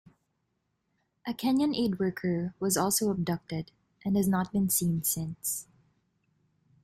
A Kenyan aide worker was also abducted, and has not been seen since.